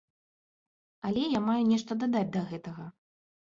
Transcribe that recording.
Але я маю нешта дадаць да гэтага.